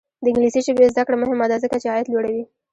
د انګلیسي ژبې زده کړه مهمه ده ځکه چې عاید لوړوي.